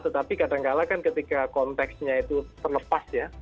tetapi kadangkala kan ketika konteksnya itu terlepas ya